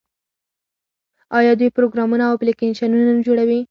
آیا دوی پروګرامونه او اپلیکیشنونه نه جوړوي؟